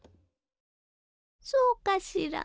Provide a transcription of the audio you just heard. そうかしら。